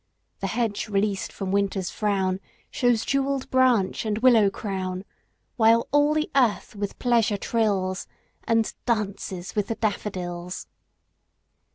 The hedge released from Winter's frown Shews jewelled branch and willow crown; While all the earth with pleasure trills, And 'dances with the daffodils.